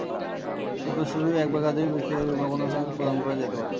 এই পুরস্কারটি এক বা একাধিক ব্যক্তিকে কিংবা কোনো সংস্থাকে প্রদান করা হতে পারে।